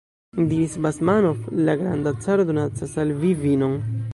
diris Basmanov: la granda caro donacas al vi vinon!